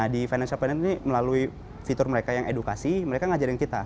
di financial planet ini melalui fitur mereka yang edukasi mereka ngajarin kita